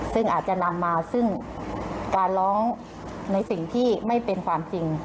ซึ่งอาจจะนำมาซึ่งการร้องในสิ่งที่ไม่เป็นความจริง